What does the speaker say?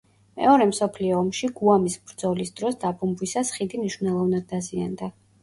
მეორე მსოფლიო ომში გუამის ბრძოლის დროს დაბომბვისას ხიდი მნიშვნელოვნად დაზიანდა.